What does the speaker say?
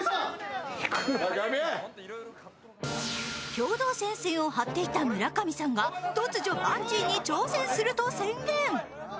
共同戦線を貼っていた村上さんが突如、バンジーに挑戦すると宣言。